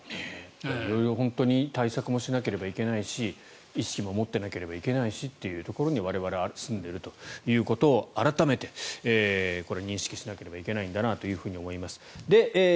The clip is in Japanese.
色々、本当に対策もしなければいけないし意識も持っていなければいけないしというところに我々は住んでいるということを改めてこれ、認識しなければいけないんだなと思います。